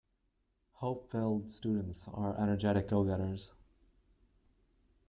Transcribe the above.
Hope filled students are energetic go-getters.